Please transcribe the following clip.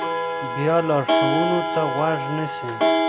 بیا لارښوونو ته غوږ نیسي.